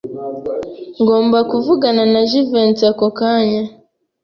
Ngomba kuvugana na Jivency ako kanya.